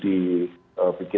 dan sebagainya gitu